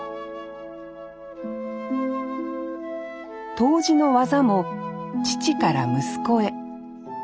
杜氏の技も父から息子へ。